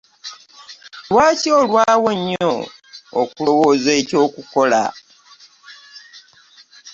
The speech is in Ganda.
Lwaki olwawo nnyo okulowooza ekyokukola?